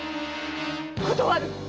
断る！